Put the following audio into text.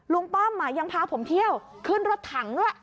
ป้อมยังพาผมเที่ยวขึ้นรถถังด้วย